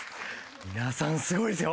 皆さんすごいですよ。